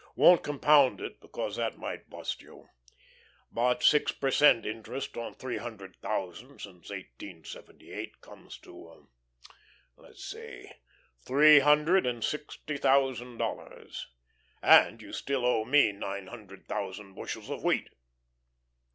won't compound it, because that might bust you. But six per cent interest on three hundred thousand since 1878, comes to let's see three hundred and sixty thousand dollars. And you still owe me nine hundred thousand bushels of wheat."